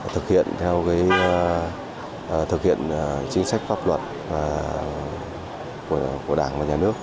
thực hiện theo chính sách pháp luật của đảng và nhà nước